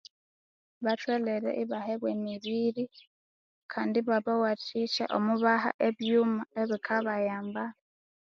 Batholere ibahebwa emibiri kandi ibabawathikya omwibaha ebyuma ebikabayamba.